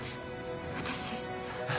私。